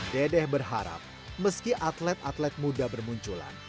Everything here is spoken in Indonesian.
dedeh berharap meski atlet atlet muda bermunculan